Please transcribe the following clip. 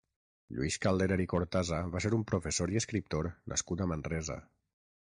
Lluís Calderer i Cortasa va ser un professor i escriptor nascut a Manresa.